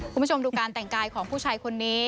คุณผู้ชมดูการแต่งกายของผู้ชายคนนี้